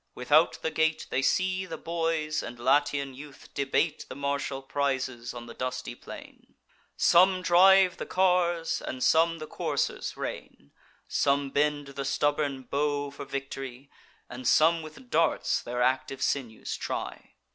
Without the gate, They see the boys and Latian youth debate The martial prizes on the dusty plain: Some drive the cars, and some the coursers rein; Some bend the stubborn bow for victory, And some with darts their active sinews try.